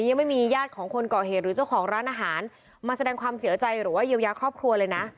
ยังไม่มีญาติของคนก่อเหตุหรือเจ้าของร้านอาหารมาแสดงความเสียใจหรือว่าเยียวยาครอบครัวเลยนะ